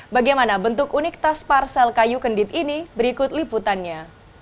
bagaimana bentuk unik tas parsel kayu kendit ini berikut liputannya